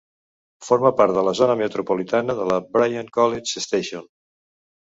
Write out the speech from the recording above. Forma part de la zona metropolitana de la Bryan-College Station.